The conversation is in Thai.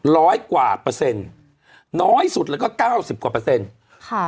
ร้อยกว่าเปอร์เซ็นต์น้อยสุดแล้วก็เก้าสิบกว่าเปอร์เซ็นต์ค่ะ